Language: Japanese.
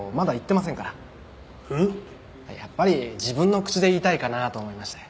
やっぱり自分の口で言いたいかなと思いまして。